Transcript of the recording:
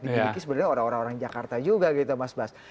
diberi sebenarnya orang orang jakarta juga gitu mas